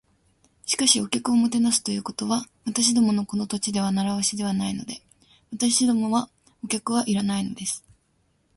「しかし、お客をもてなすということは、私どものこの土地では慣わしではないので。私どもはお客はいらないのです」